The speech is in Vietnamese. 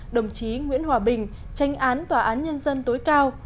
đồng chí nguyễn hòa bình tranh án tòa án nhân dân tối cao